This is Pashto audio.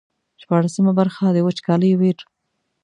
شپاړسمه برخه د وچکالۍ ویر.